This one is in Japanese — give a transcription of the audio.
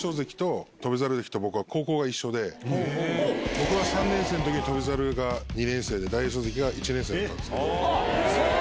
僕が３年生の時翔猿が２年生で大栄翔関が１年生だったんです。